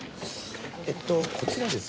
えっとこちらですね